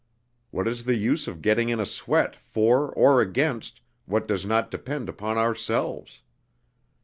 What is the use of getting in a sweat for or against what does not depend upon ourselves?